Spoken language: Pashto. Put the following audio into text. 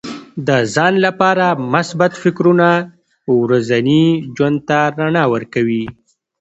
د ځان لپاره مثبت فکرونه ورځني ژوند ته رڼا ورکوي.